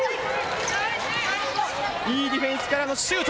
いいディフェンスからのシュート。